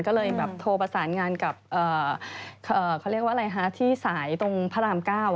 ก็เลยแบบโทรประสานงานกับเขาเรียกว่าอะไรฮะที่สายตรงพระราม๙